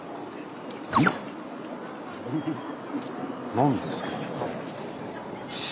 何ですかね。